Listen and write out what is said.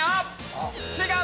違う！